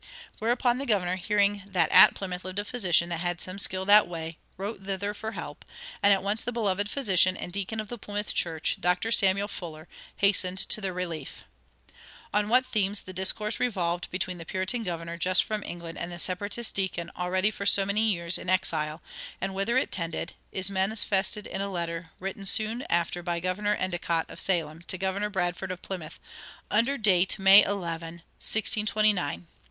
Whereupon the governor, hearing that at Plymouth lived a physician "that had some skill that way," wrote thither for help, and at once the beloved physician and deacon of the Plymouth church, Dr. Samuel Fuller, hastened to their relief. On what themes the discourse revolved between the Puritan governor just from England and the Separatist deacon already for so many years an exile, and whither it tended, is manifested in a letter written soon after by Governor Endicott, of Salem, to Governor Bradford, of Plymouth, under date May 11 (= 21), 1629.